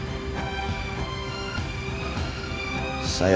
dan yang ketiga adalah kekuatan rasa cinta